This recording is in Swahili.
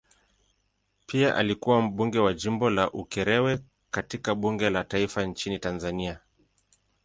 Pia alikuwa mbunge wa jimbo la Ukerewe katika bunge la taifa nchini Tanzania.